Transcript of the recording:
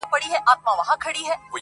شپه پخه سي چي ویدېږم غزل راسي-